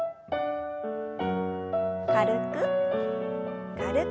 軽く軽く。